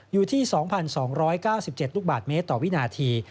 อยู่ที่๒๒๙๗ลูกบาทเมตรต่อวินาที